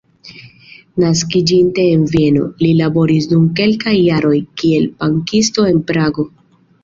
Naskiĝinte en Vieno, li laboris dum kelkaj jaroj kiel bankisto en Prago.